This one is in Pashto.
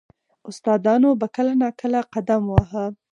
• استادانو به کله نا کله قدم واهه.